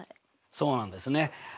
そうなんですね。